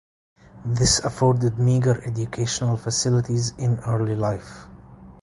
This afforded meager educational facilities in early life.